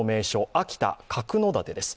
秋田・角館です。